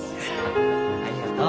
ありがとう。